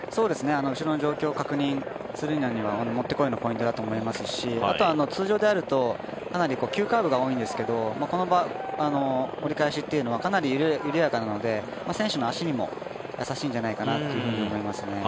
後ろの状況を確認するにはもってこいのポイントだと思いますし、あと、通常であるとかなり急カーブが多いんですけどこの折り返しというのはかなり緩やかなので選手の足にもやさしいんじゃないかなと思います。